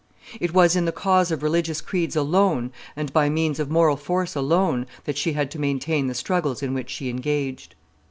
It was in the cause of religious creeds alone, and by means of moral force alone, that she had to maintain the struggles in which she engaged.